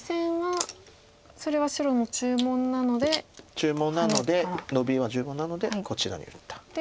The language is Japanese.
注文なのでノビは注文なのでこちらに打った。